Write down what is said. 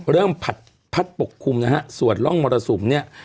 ผัดพัดปกคลุมนะฮะส่วนร่องมรสุมเนี่ย